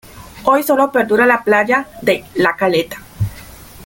Hoy solo perdura la playa de "La Caleta".